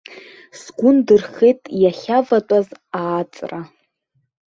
Сгәы ндырхеит иахьаватәаз ааҵра.